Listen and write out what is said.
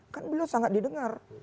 kan belum sangat didengar